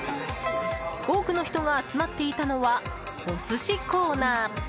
多くの人が集まっていたのはお寿司コーナー。